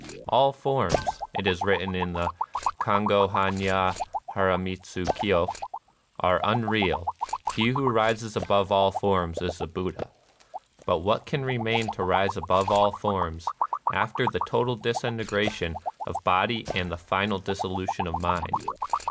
" All forms," it is written in the ICongd hannya liaramitsu Kyo^ " are unreal : he who rises above all forms is the Buddha." But what can remain to rise above all forms after the total disintegration of body and the final dissolution of mind